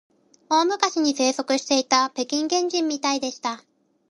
大昔に生息していた北京原人みたいでした